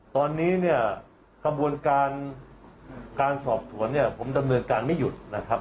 ตอนนี้เนี่ยกระบวนการการสอบสวนเนี่ยผมดำเนินการไม่หยุดนะครับ